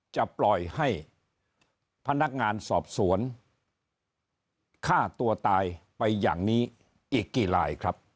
จะปล่อยให้พนักงานสอบสวนฆ่าตัวตายไปอย่างนี้อีกกี่ลายครับ